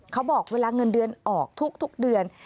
เขาบอกเวลาเงินเดือนออกทุกเดือน